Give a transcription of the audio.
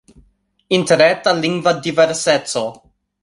Interreta lingva diverseco.